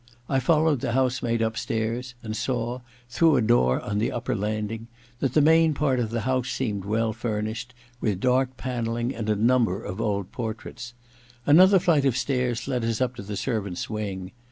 I followed the house^maid upstairs, and saw, through a door on the upper landing, that the main part of the house seemed well furnished, with dark panelling and a niunber of old portraits. Another flight of stairs led us up to the servants' wing.